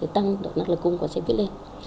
để tăng độ năng lực cung của xe buýt lên